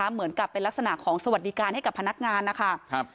เหมือนกับเป็นลักษณะของสวัสดิการให้กับพนักงานนะคะ